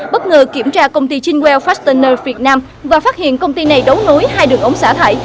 bất ngờ kiểm tra công ty chinwell fastoner việt nam và phát hiện công ty này đấu nối hai đường ống xả thải